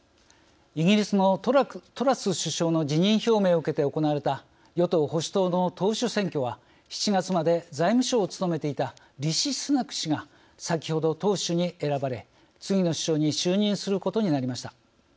イギリスのトラス首相の辞任を受けて行われた与党・保守党の党首選挙は７月まで財務相を務めていたリシ・スナク氏が先ほど党首に選ばれ次の首相に就任することになりました。